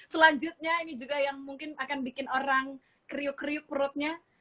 selanjutnya ini juga yang mungkin akan bikin orang kriuk kriuk perutnya